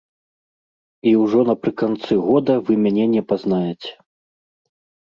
І ўжо напрыканцы года вы мяне не пазнаеце.